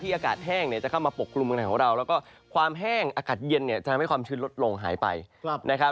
อากาศแห้งเนี่ยจะเข้ามาปกกลุ่มเมืองไทยของเราแล้วก็ความแห้งอากาศเย็นเนี่ยจะทำให้ความชื้นลดลงหายไปนะครับ